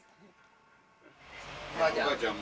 ・お母ちゃん。